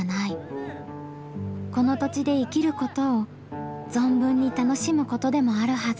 この土地で生きることを存分に楽しむことでもあるはず。